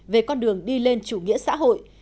về con đường đi lên chủ nghĩa xã hội